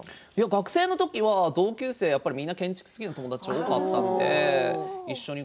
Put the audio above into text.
学生の時には同級生みんな建築が好きな友達が多かったので一緒に。